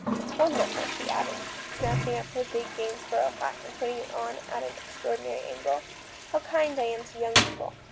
It's wonderful," she added, snatching up her big Gainsborough hat and putting it on at an extraordinary angle, " how kind I am to young people.